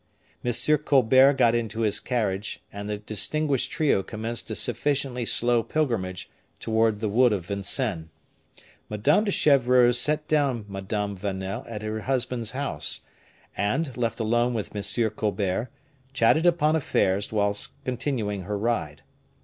M. Colbert got into his carriage and the distinguished trio commenced a sufficiently slow pilgrimage toward the wood of Vincennes. Madame de Chevreuse set down Madame Vanel at her husband's house, and, left alone with M. Colbert, chatted upon affairs whilst continuing her ride.